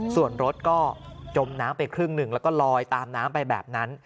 ส่วนรถก็จมน้ำไปครึ่งหนึ่งแล้วก็ลอยตามน้ำไปแบบนั้น